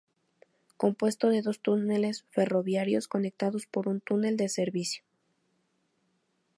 Compuesto de dos túneles ferroviarios conectados por un túnel de servicio.